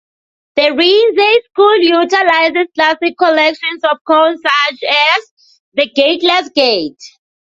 The Rinzai-school utilizes classic collections of koans such as the Gateless Gate.